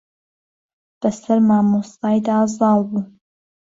بە سەر مامۆستای دا زاڵ بوو.